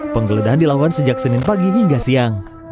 penggeledahan dilakukan sejak senin pagi hingga siang